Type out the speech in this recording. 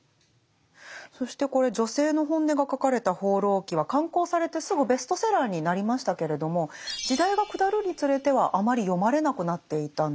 そしてこれ女性の本音が書かれた「放浪記」は刊行されてすぐベストセラーになりましたけれども時代が下るにつれてはあまり読まれなくなっていたんですか？